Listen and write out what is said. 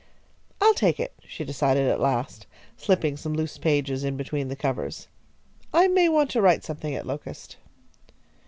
"I'll take it," she decided at last, slipping some loose pages in between the covers. "I may want to write something at Locust."